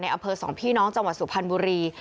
ในอำเภิกส์สองปี่น้องจังหวัดสุพันธุ์บุรี